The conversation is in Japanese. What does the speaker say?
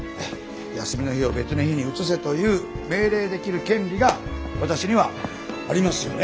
休みの日を別の日に移せという命令できる権利が私にはありますよね。